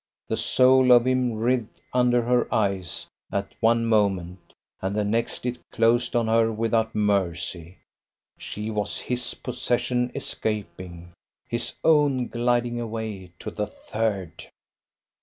The soul of him writhed under her eyes at one moment, and the next it closed on her without mercy. She was his possession escaping; his own gliding away to the Third.